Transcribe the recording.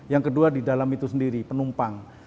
yang kedua di dalam itu sendiri penumpang